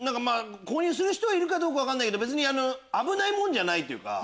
購入する人いるか分からないけど危ないもんじゃないというか。